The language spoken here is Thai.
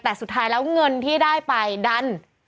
แต่สุดท้ายแล้วเงินที่ได้ไปดัน